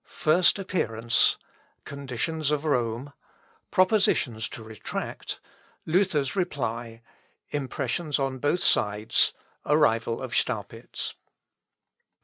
First appearance First Words Conditions of Rome Propositions to Retract Luther's reply He withdraws Impressions on both sides Arrival of Staupitz.